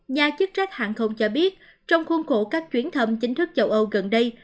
nhà chức trách hàng không cho biết trong khuôn khổ các chuyến thăm chính thức châu âu gần đây